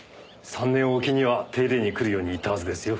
３年おきには手入れに来るように言ったはずですよ。